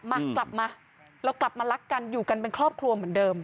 มากลับมาเรากลับมารักกันอยู่กันเป็นครอบครัวเหมือนเดิม